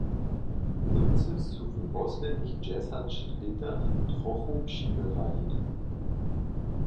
Němcy su w poslednich dźesać lětach trochu přiběrali.